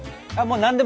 何でも！